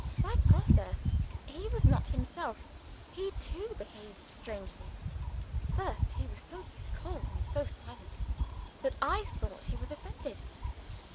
Like Grosse, he was not himself he too behaved strangely! First, he was so cold and so silent, that I thought he was offended.